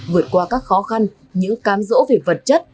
vượt qua các khó khăn những cam rỗ về vật chất